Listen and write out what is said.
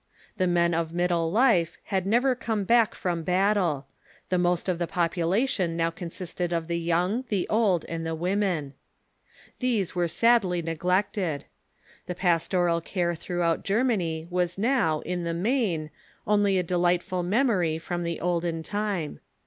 The men of middle life had never come back from battle. The most of the population now consisted of the young, the old, and tiie women. These were sadly neg lected. The pastoral care throughout Germany was now, in the main, only a delightful memory from the olden time.